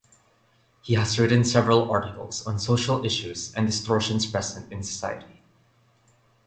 He has written several articles on social issues and distortions present in society.